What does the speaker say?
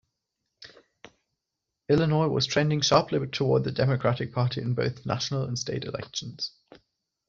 Illinois was trending sharply toward the Democratic party in both national and state elections.